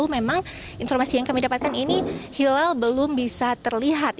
memang informasi yang kami dapatkan ini hilal belum bisa terlihat